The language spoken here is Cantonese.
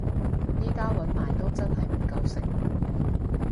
而家搵埋都真係唔夠食